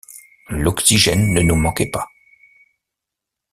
L’oxygène ne nous manquait pas.